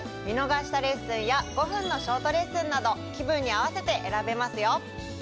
見逃したレッスンや５分のショートレッスンなど気分に合わせて選べますよ。